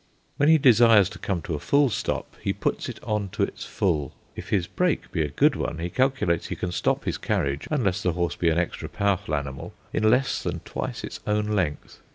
When he desires to come to a full stop, he puts it on to its full. If his brake be a good one, he calculates he can stop his carriage, unless the horse be an extra powerful animal, in less than twice its own length.